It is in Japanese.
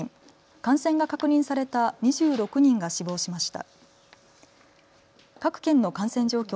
感染が確認された２６人が死亡しました。